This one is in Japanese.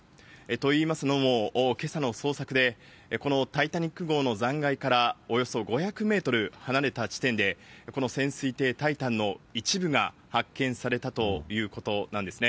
といいますのも、けさの捜索で、このタイタニック号の残骸からおよそ５００メートル離れた地点で、この潜水艇タイタンの一部が発見されたということなんですね。